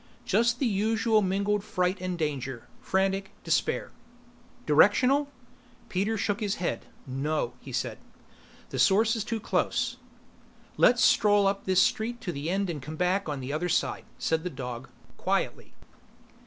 "Just the usual mingled fright and danger, frantic despair." "Directional?" Peter shook his head. "No," he said. "The source is too close." "Let's stroll up this street to the end and come back on the other side," said the dog. "Quietly."